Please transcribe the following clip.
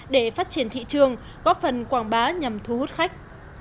để phát triển thị trường góp phần quảng bá nhằm thu hút khách